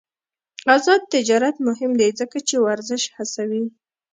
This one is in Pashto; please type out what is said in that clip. آزاد تجارت مهم دی ځکه چې ورزش هڅوي.